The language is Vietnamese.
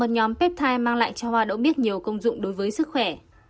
nên mang lại cho hoa đậu biếc nhiều công dụng đối với sức khỏe